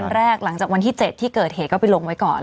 แรกหลังจากวันที่๗ที่เกิดเหตุก็ไปลงไว้ก่อน